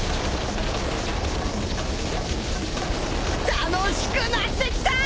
楽しくなってきたぁ！